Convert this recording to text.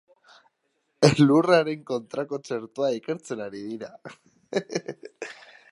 Elurraren kontrako txertoa ikertzen ari dira.